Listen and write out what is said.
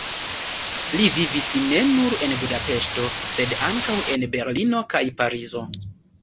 Li vivis ne nur en Budapeŝto, sed ankaŭ en Berlino kaj Parizo.